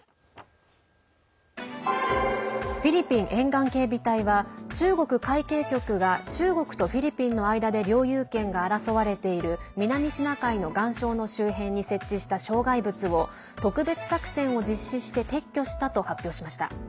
フィリピン沿岸警備隊は中国海警局が中国とフィリピンの間で領有権が争われている南シナ海の岩礁の周辺に設置した障害物を特別作戦を実施して撤去したと発表しました。